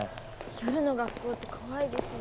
夜の学校って怖いですね。